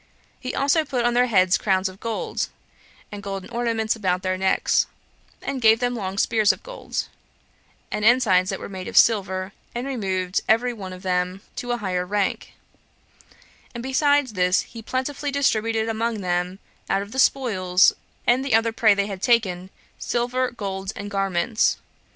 He also put on their heads crowns of gold, and golden ornaments about their necks, and gave them long spears of gold, and ensigns that were made of silver, and removed every one of them to a higher rank; and besides this, he plentifully distributed among them, out of the spoils, and the other prey they had taken, silver, and gold, and garments.